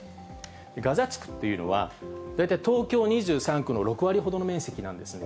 ガザ地区っていうのは、大体東京２３区の６割ほどの面積なんですね。